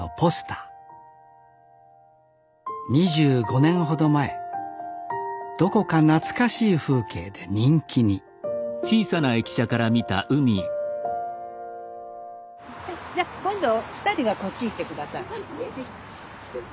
２５年ほど前どこか懐かしい風景で人気にじゃあ今度２人がこっち行って下さい。